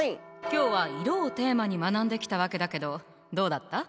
今日は「色」をテーマに学んできたわけだけどどうだった？